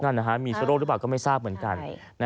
นั่นมีเชื้อโรคหรือเปล่าก็ไม่ทราบเหมือนกัน